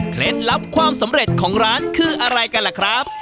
ลับความสำเร็จของร้านคืออะไรกันล่ะครับ